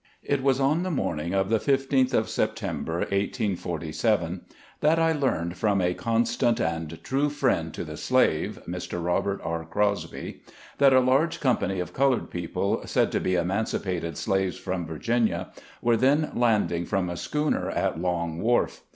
T was on the morning of the 15th of Sep tember, 1847, that I learned from a constant and true friend to the slave — Mr. Robert R. Crosby — that a large company of colored people, said to be emancipated slaves from Virginia, were then landing from a schooner at Long Wharf.